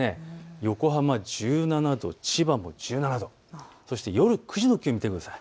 横浜１７度、千葉も１７度、そして夜９時の気温を見てください。